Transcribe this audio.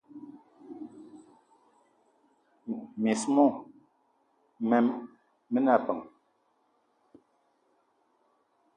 Miss mo mene ebeng.